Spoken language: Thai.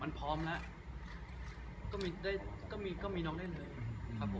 มันพร้อมแล้วก็มีน้องได้เลยครับผม